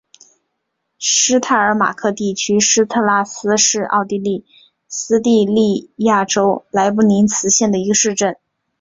施泰尔马克地区施特拉斯是奥地利施蒂利亚州莱布尼茨县的一个市镇。